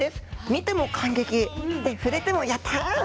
見ても感激触れもやった。